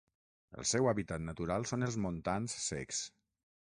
El seu hàbitat natural són els montans secs.